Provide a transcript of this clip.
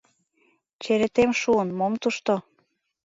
— Черетем шуын, мом тушто...